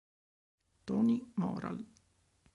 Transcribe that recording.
Toni Moral